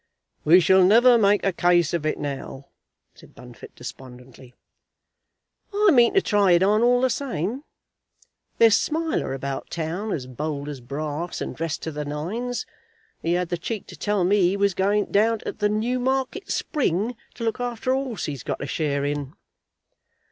"We shall never make a case of it now," said Bunfit despondently. "I mean to try it on all the same. There's Smiler about town as bold as brass, and dressed to the nines. He had the cheek to tell me he was going down to the Newmarket Spring to look after a horse he's got a share in."